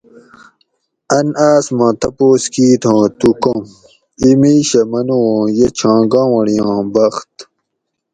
ان آس ما تپوس کیت ھوں تو کوم ؟ ایں میشہ منو اُوں یہ چھاں گاونڑیاں بخت